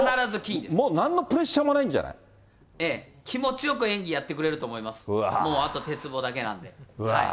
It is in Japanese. もうなんのプレッシャーもなええ、気持ちよく演技やってくれると思います、もうあと鉄棒だけなんで。